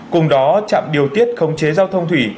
cùng đó trạm điều tiết khống chế giao thông thủy